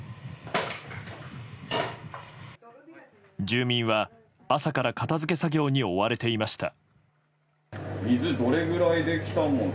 住民は、朝から片付け作業に追われていました。